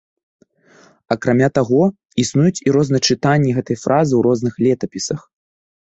Акрамя таго, існуюць і розначытанні гэтай фразы ў розных летапісах.